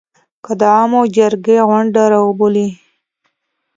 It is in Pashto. د عوامو جرګې غونډه راوبولي